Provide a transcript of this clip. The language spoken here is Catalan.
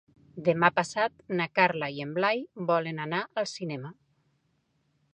Demà passat na Carla i en Blai volen anar al cinema.